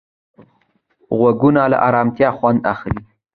غوږونه له ارامتیا خوند اخلي